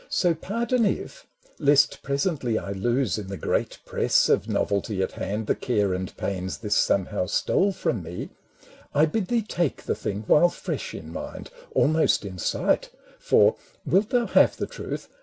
So, pardon if— (lest presently I lose In the great press of novelty at hand The care and pains this somehow stole from me) I bid thee take the thing while fresh in mind, Almost in sight — for, wilt thou have the truth?